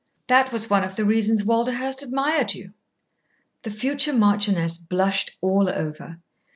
That was one of the reasons Walderhurst admired you." The future marchioness blushed all over.